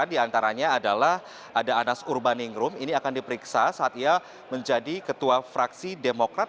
di antaranya adalah ada anas urbaningrum ini akan diperiksa saat ia menjadi ketua fraksi demokrat